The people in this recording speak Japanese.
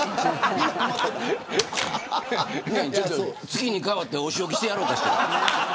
月に代わってお仕置きしてやろうかしら。